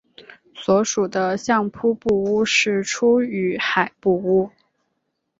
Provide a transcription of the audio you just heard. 所属的相扑部屋是出羽海部屋。